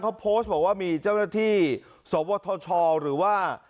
เขาโพสต์บอกว่ามีเจ้าหน้าที่สวทชหรือว่า